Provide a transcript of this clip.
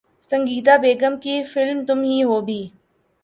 سنگیتا بیگم کی فلم ’تم ہی ہو‘ بھی